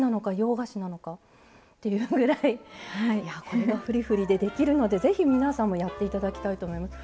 これがふりふりでできるので是非皆さんもやって頂きたいと思います。